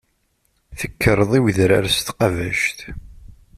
Tekkreḍ i wedrar s tqabact.